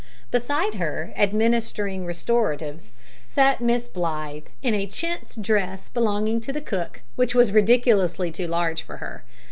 Beside her, administering restoratives, sat Miss Blythe, in a chintz dress belonging to the cook, which was ridiculously too large for her.